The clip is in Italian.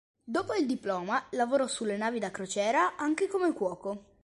Dopo il diploma lavorò sulle navi da crociera, anche come cuoco.